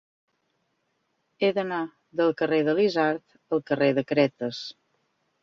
He d'anar del carrer de l'Isard al carrer de Cretes.